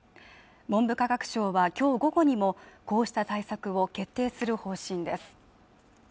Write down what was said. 文部科学省はきょう午後にもこうした対策を決定する方針です